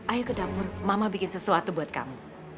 ayo ke dapur mama bikin sesuatu buat kamu